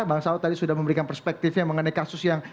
bang saud tadi sudah memberikan perspektifnya mengenai kasus yang